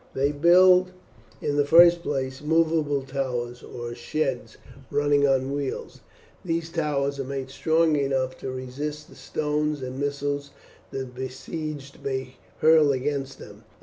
They build, in the first place, movable towers or sheds running on wheels. These towers are made strong enough to resist the stones and missiles the besieged may hurl against them.